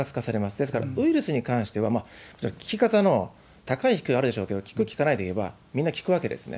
ですから、ウイルスに関しては、まあ、もちろん効き方の高い低いはあるでしょうけれども、効く、効かないでいえば、みんな効くわけですね。